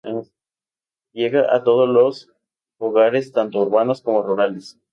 Llega a todos los hogares tanto urbanos como rurales.